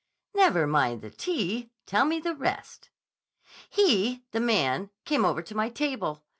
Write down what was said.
"Never mind the tea. Tell me the rest." "He—the man—came over to my table.